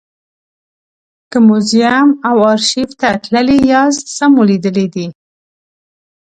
که موزیم او ارشیف ته تللي یاست څه مو لیدلي دي.